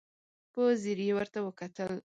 په ځير يې ورته وکتل.